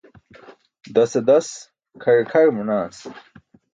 Dase das kʰaẏe kʰaẏ manaas.